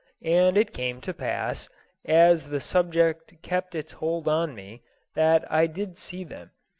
And it came to pass, as the subject kept its hold on me, that I did see them.